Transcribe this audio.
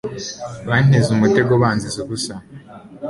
banteze umutego banziza ubusa